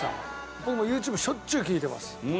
僕もＹｏｕＴｕｂｅしょっちゅう聴いてます。